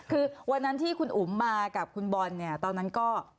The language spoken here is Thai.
คือวันนั้นที่คุณอุ๋มมากับคุณบอลเนี่ยตอนนั้นก็